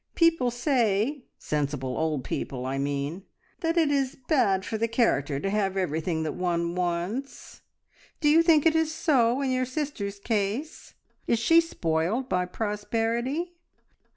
People say sensible old people, I mean that it is bad for the character to have everything that one wants. Do you think it is so in your sister's case? Is she spoiled by prosperity?"